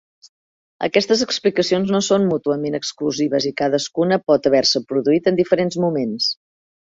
Aquestes explicacions no són mútuament exclusives i cadascuna pot haver-se produït en diferents moments.